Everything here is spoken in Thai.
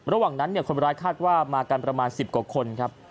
ระหว่างนั้นคนร้ายคาดว่ามากันประมาณ๑๐กว่าคนครับ